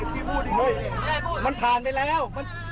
มันผ่านไปแล้ว